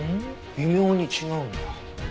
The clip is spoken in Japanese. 微妙に違うんだ。